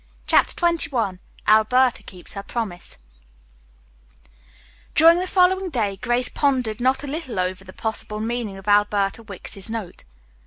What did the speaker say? CHAPTER XXI ALBERTA KEEPS HER PROMISE During the following day Grace pondered not a little over the possible meaning of Alberta Wicks's note.